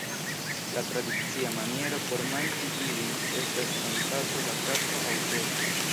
La tradicia maniero por manĝi ilin estas kun taso da kafo aŭ teo.